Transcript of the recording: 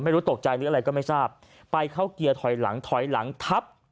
ไม่รู้ตกใจหรืออะไรก็ไม่ทราบไปเข้าเกียร์ถอยหลังถอยหลังทับ